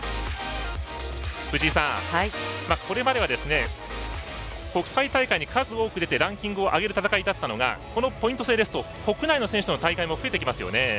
藤井さん、これまでは国際大会に数多く出てランキングを上げる戦いだったのがこのポイント制ですと国内の選手との対戦も増えてきますよね。